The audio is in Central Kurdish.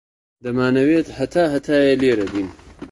دەمانەوێت هەتا هەتایە لێرە بین.